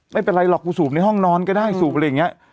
ไม่เป็นไรหรอกกูสูบในห้องนอนก็ได้สูบอะไรอย่างนี้